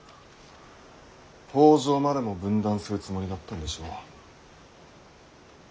北条までも分断するつもりだったんでしょう。